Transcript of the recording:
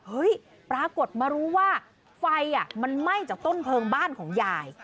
ปรากฏมารู้ว่าไฟมันไหม้จากต้นเพลิงบ้านของยาย